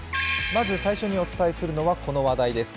まず最初にお伝えするのはこの話題です。